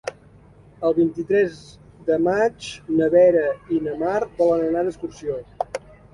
El vint-i-tres de maig na Vera i na Mar volen anar d'excursió.